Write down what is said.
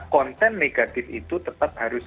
konten negatif itu tetap harus